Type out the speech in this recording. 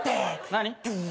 何？